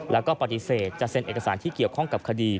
แล้วก็ปฏิเสธจะเซ็นเอกสารที่เกี่ยวข้องกับคดี